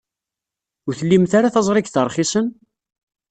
Ur tlim ara taẓrigt rxisen?